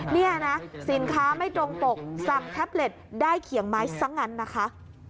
นี่นะสินค้าไม่ตรงปกสั่งแท็บเล็ตได้เขียงไม้ซะงั้นนะคะ